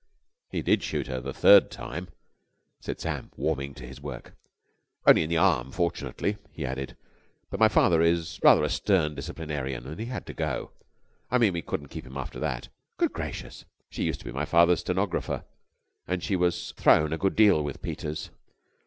"He did shoot her the third time," said Sam warming to his work. "Only in the arm, fortunately," he added. "But my father is rather a stern disciplinarian and he had to go. I mean, we couldn't keep him after that." "Good gracious!" "She used to be my father's stenographer, and she was thrown a good deal with Peters.